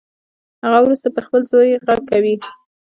هغه وروسته پر خپل زوی غږ کوي